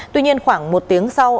tuy nhiên khoảng một tiếng sau